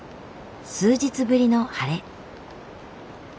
数日ぶりの晴れ。